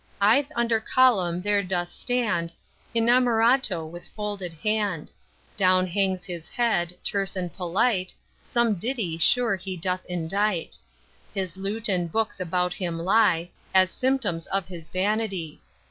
I'th' under column there doth stand Inamorato with folded hand; Down hangs his head, terse and polite, Some ditty sure he doth indite. His lute and books about him lie, As symptoms of his vanity.